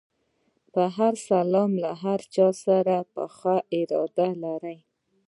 په هر سلام له هر چا سره پخه اراده لري.